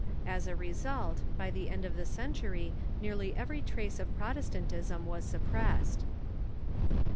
As a result, by the end of the century nearly every trace of Protestantism was sup pressed.